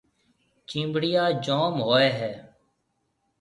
چِينڀريا جوم ھوئيَ ھيََََ